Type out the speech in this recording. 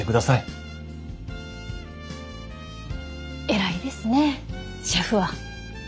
偉いですねぇシェフは。